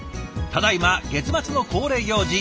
ただいま月末の恒例行事